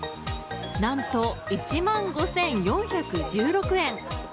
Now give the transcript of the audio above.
何と１万５４１６円。